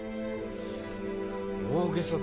大げさだな。